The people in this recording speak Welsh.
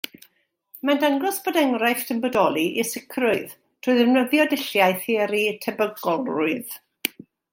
Mae'n dangos bod enghraifft yn bodoli, i sicrwydd, trwy ddefnyddio dulliau theori tebygolrwydd.